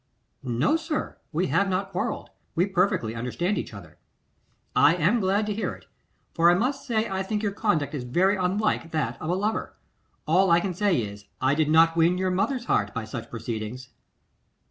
'No, sir, we have not quarrelled; we perfectly understand each other.' 'I am glad to hear it, for I must say I think your conduct is very unlike that of a lover. All I can say is, I did not win your mother's heart by such proceedings.